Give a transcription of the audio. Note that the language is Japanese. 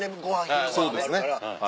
昼ご飯もあるから。